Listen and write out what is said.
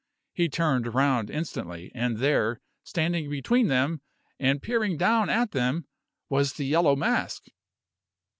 He turned round instantly, and there, standing between them, and peering down at them, was the Yellow Mask!